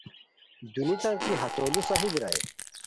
دونیتام کی ہتو لُو صحیح بیرائے